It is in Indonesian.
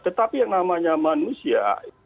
tetapi yang namanya manusia